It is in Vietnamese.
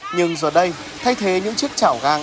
nhưng giờ đây thay thế những chiếc chảo găng